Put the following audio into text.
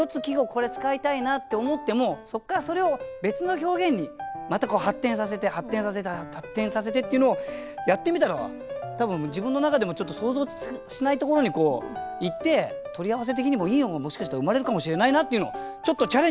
これ使いたいなって思ってもそっからそれを別の表現にまた発展させて発展させて発展させてっていうのをやってみたら多分自分の中でもちょっと想像しないところにいって取り合わせ的にもいいものがもしかしたら生まれるかもしれないなっていうのをちょっとチャレンジしてみようという。